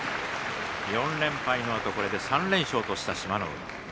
４連敗のあと３連勝とした志摩ノ海です。